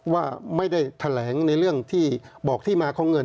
ว่าไม่ได้แถลงในเรื่องที่บอกที่มาของเงิน